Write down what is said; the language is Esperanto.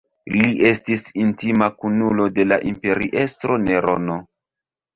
Li estis intima kunulo de la imperiestro Nerono.